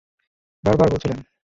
বারবার বলছিলেন।